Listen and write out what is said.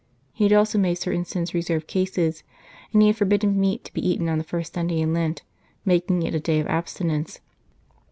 He had also made certain sins reserved cases, and he had forbidden meat to be eaten on the first Sunday in Lent, making it a day of abstinence.